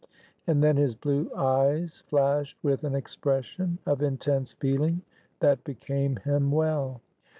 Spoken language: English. and then his blue eyes flashed with an expression of intense feeling that became him well.